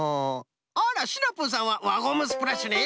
あらシナプーさんは輪ゴムスプラッシュね！